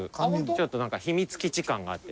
ちょっとなんか秘密基地感があって。